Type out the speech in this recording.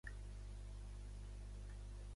Comença tocant rock i folk en diferents grups.